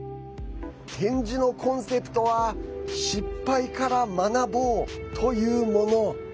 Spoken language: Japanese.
展示のコンセプトは失敗から学ぼうというもの。